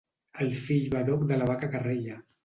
El fill badoc de la vaca que reia.